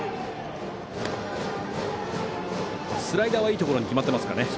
スライダーはいいところに決まってますかね。